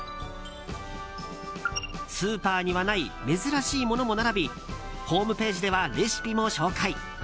スーパーにはない珍しいものも並びホームページではレシピも紹介。